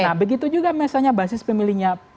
nah begitu juga misalnya basis pemilihnya